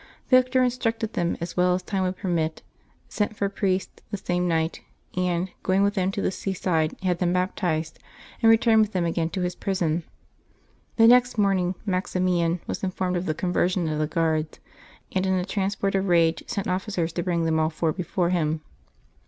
Victor instructed them as well as time would permit, sent for priests the same night, and, going with them to the seaside, had them bap tized, and returned with them again to his prison. The next morning Maximian was informed of the conversion of the guards, and in a transport of rage sent officers to bring them all four before him.